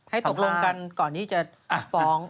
ตกลงกันก่อนที่จะฟ้อง